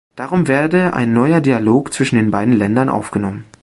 Darum werde ein neuer Dialog zwischen den beiden Ländern aufgenommen.